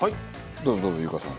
どうぞどうぞ優香さん。